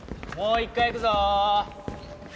もう一回いくぞ。